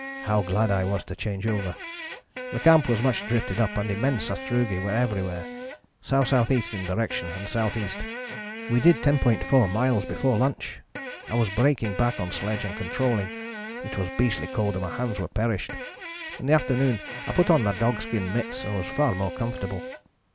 How glad I was to change over. The camp was much drifted up and immense sastrugi were everywhere, S.S.E. in direction and S.E. We did 10.4 miles before lunch. I was breaking back on sledge and controlling; it was beastly cold and my hands were perished. In the afternoon I put on my dogskin mitts and was far more comfortable.